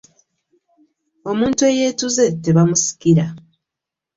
Omuntu eyeetuze tebamusikira.